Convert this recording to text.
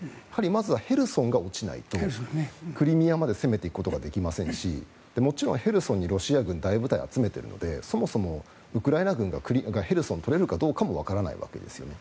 まずはヘルソンが落ちないとクリミアまで攻めていくことができませんしもちろんヘルソンにロシア軍は大部隊を集めているのでそもそもウクライナ軍がヘルソンを取れるかどうかもわからないわけですよね。